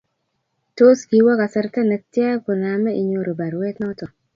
Tos kiwo kasarta ne tya koname inyoru baruet noto?